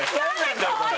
これ。